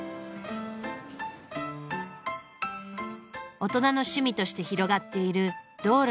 大人の趣味として広がっているドールの世界。